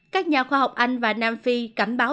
các nhà khoa học anh và nam phi cảnh báo